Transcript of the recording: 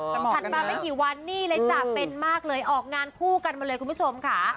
ถัดมาไม่กี่วันนี่เลยจ้ะเป็นมากเลยออกงานคู่กันมาเลยคุณผู้ชมค่ะ